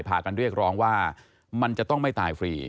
พากันเรียกร้องว่ามันจะต้องไม่ตายฟรี